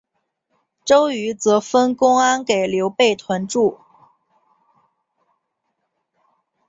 周瑜则分公安给刘备屯驻。